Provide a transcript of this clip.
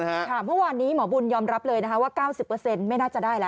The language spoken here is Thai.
เมื่อวานนี้หมอบุญยอมรับเลยนะคะว่า๙๐ไม่น่าจะได้แล้ว